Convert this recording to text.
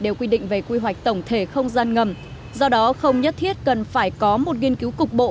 đều quy định về quy hoạch tổng thể không gian ngầm do đó không nhất thiết cần phải có một nghiên cứu cục bộ